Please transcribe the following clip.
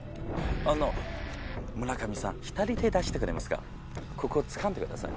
村上さん左手出してくれますかここつかんでください。